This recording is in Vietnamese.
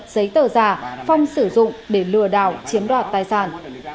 giấy tờ giả phong sử dụng để lừa đảo chiếm đoạt tài sản